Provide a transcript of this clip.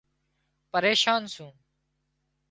پريشان سُون